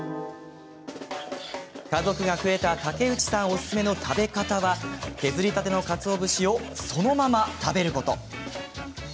家族が増えた竹内さんおすすめの食べ方は削りたてのかつお節をそのまま食べること。